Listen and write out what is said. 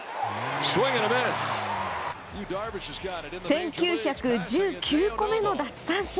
１９１９個目の奪三振。